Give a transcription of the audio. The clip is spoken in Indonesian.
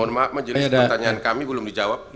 mohon maaf majelis pertanyaan kami belum dijawab